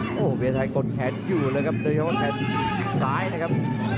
โอ้โหเวียไทยกดแขนอยู่เลยครับโดยเฉพาะแขนซ้ายนะครับ